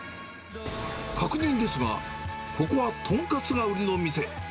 確認ですが、ここは豚カツが売りの店。